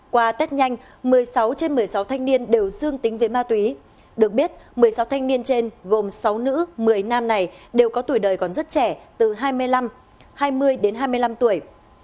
qua test nhanh một mươi sáu trên một mươi sáu thanh niên đều dương tính với ma túy được biết một mươi sáu thanh niên trên gồm sáu nữ một mươi nam này đều có tuổi đời còn rất trẻ từ hai mươi năm hai mươi đến hai mươi năm tuổi